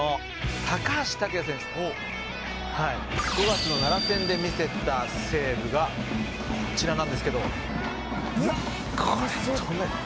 「５月の奈良戦で見せたセーブがこちらなんですけどこれ止めて」